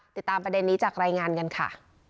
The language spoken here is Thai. ติดตามประเด็นนี้จากรายงานกันค่ะ